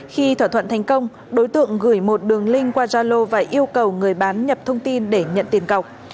khi thỏa thuận thành công đối tượng gửi một đường link qua zalo và yêu cầu người bán nhập thông tin để nhận tiền cọc